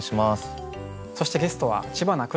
そしてゲストは知花くららさんです。